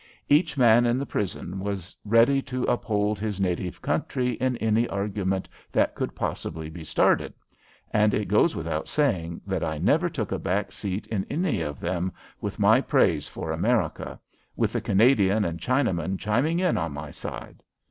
Each man in the prison was ready to uphold his native country in any argument that could possibly be started, and it goes without saying that I never took a back seat in any of them with my praise for America, with the Canadian and Chinaman chiming in on my side.